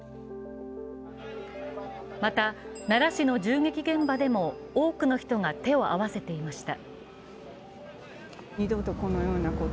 また、奈良市の銃撃現場でも多くの人が手を合わせていました。